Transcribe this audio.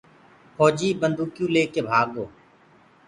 ڦوجيٚ بنٚدوڪيٚئو ليڪي ڀآگو